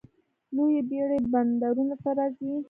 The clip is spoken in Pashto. لویې بیړۍ بندرونو ته راځي.